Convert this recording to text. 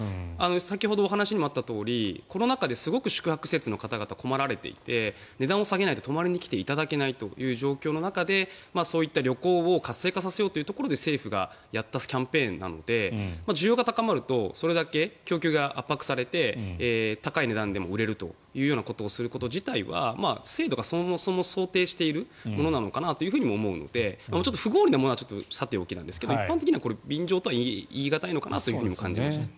先ほどお話にもあったとおりコロナ禍で宿泊施設の方々が困られていて値段を下げないと泊まりに来ていただけないという状況の中でそういった旅行を活性化させようということで政府がやったキャンペーンなので需要が高まるとそれだけ供給が圧迫されて高い値段でも売れるということをすること自体は制度がそもそも想定しているものなのかなとも思うので不合理なものはさておきですが一般的には便乗とは言い難いのかなと感じました。